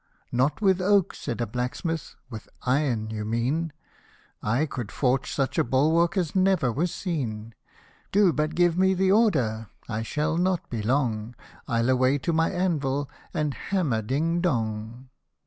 "Not with oak" said a blacksmith, "with iron you mean, / could forge such a bulwark as never was seen ; Do but give me the order ; I shall not be long ; I'll away to my anvil, and hammer ding dong."